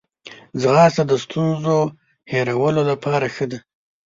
ځغاسته د ستونزو هیرولو لپاره ښه ده